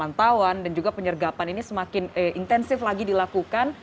pantauan dan juga penyergapan ini semakin intensif lagi dilakukan